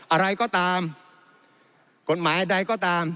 อะไรก็ตามกฎหมายใดก็ตาม